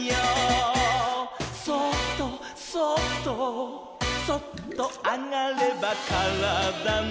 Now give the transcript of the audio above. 「そっとそっとそっとあがればからだの」